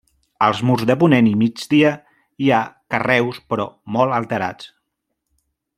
Als murs de ponent i migdia hi ha carreus però molt alterats.